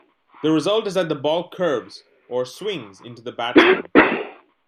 The result is that the ball curves, or "swings" in to the batsman.